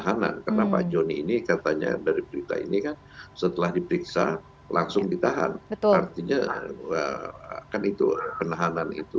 yang berduit lain ikan setelah dipiksa langsung ditahan tertutup média bakal itu penahanan itu